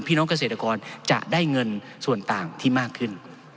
พี่น้องเกษตรกรจะได้เงินส่วนต่างที่มากขึ้น